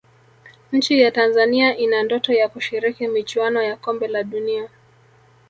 nchi ya Tanzania ina ndoto ya kushiriki michuano ya kombe la dunia